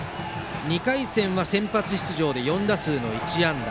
２回戦は先発出場で４打数１安打。